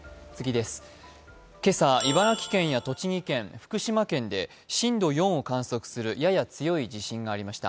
今朝、茨城県や栃木県、福島県で震度４を観測するやや強い地震がありました。